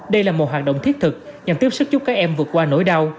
đây là một hoạt động thiết thực nhằm tiếp sức giúp các em vượt qua nỗi đau